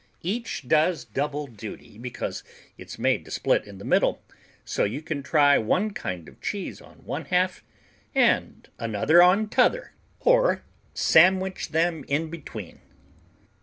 Each does double duty because it's made to split in the middle, so you can try one kind of cheese on one half and another on t'other, or sandwich them between.